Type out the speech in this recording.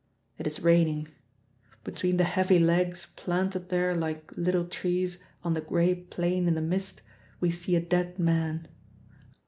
It is raining. Between the heavy legs planted there like little trees on the gray plain in the mist we see a dead man.